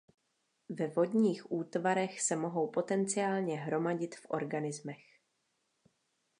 Ve vodních útvarech se mohou potenciálně hromadit v organismech.